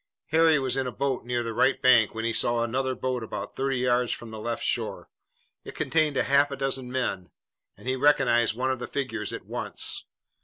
Harry was in a boat near the right bank when he saw another boat about thirty yards from the left shore. It contained a half dozen men, and he recognized one of the figures at once.